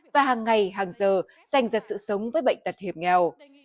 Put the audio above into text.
và hàng ngày hàng giờ dành ra sự sống với bệnh tật hiểm nghèo